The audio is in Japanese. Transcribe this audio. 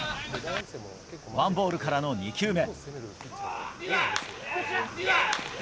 ワンボールからの２球目。